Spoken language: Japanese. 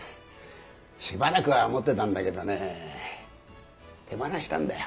しばらくは持ってたんだけどね手放したんだよ。